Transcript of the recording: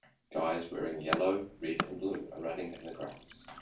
Guys wearing yellow, red, and blue are running in the grass.